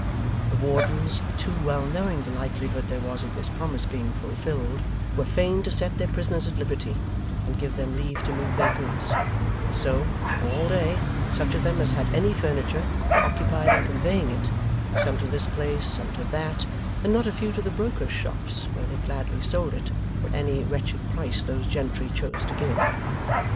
The wardens, too well knowing the likelihood there was of this promise being fulfilled, were fain to set their prisoners at liberty, and give them leave to move their goods; so, all day, such of them as had any furniture were occupied in conveying it, some to this place, some to that, and not a few to the brokers' shops, where they gladly sold it, for any wretched price those gentry chose to give.